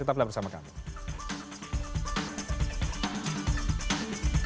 tetaplah bersama kami